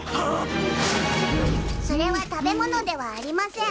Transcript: それは食べ物ではありません。